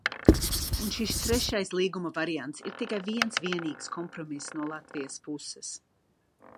Un šis trešais līguma variants ir tikai viens vienīgs kompromiss no Latvijas puses.